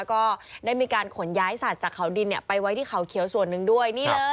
ก็ได้มีการขนย้ายสัตว์จากเขาดินไปไว้ที่เขาเขียวส่วนหนึ่งด้วยนี่เลย